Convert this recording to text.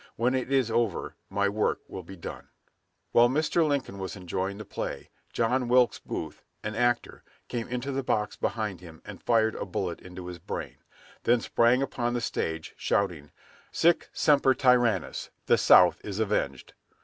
When it is over, my work will be done." While Mr. Lincoln was enjoying the play, John Wilkes Booth, an actor, came into the box behind him and fired a bullet into his brain; then sprang upon the stage, shouting, "Sic semper tyrannis! The South is avenged!"